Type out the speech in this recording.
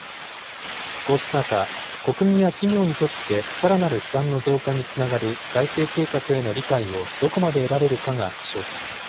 こうした中、国民や企業にとって、さらなる負担の増加につながる財政計画への理解をどこまで得られるかが焦点です。